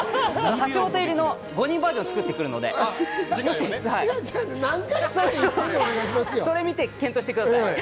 橋本入りの５人バージョンを作ってきますので、それ見て検討してください。